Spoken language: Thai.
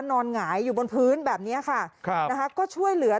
หงายอยู่บนพื้นแบบนี้ค่ะครับนะคะก็ช่วยเหลือ